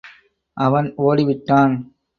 அவன் ஓடி விட்டான்.